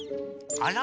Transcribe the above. あら？